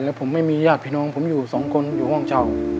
แล้วผมไม่มีญาติพี่น้องผมอยู่สองคนอยู่ห้องเช่า